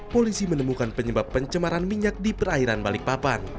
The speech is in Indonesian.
polisi menemukan penyebab pencemaran minyak di perairan balikpapan